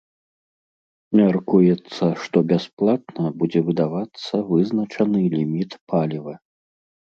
Мяркуецца, што бясплатна будзе выдавацца вызначаны ліміт паліва.